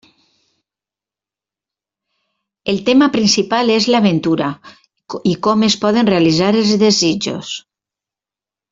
El tema principal és l'aventura i com es poden realitzar els desitjos.